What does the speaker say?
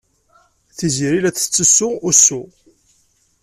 Tiziri la d-tettessu usu.